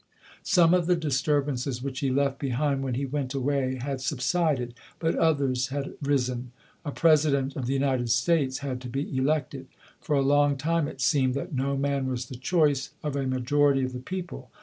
Some of the disturbances which he left behind when he went away had subsided but others had risen. A President of the United States had to be elected. For a long time it seemed that no man was the choice of a majority of the people.